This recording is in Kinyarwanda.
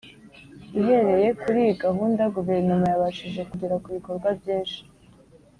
Ihereye kuri iyi gahunda Guverinoma yabashije kugera ku bikorwa byinshi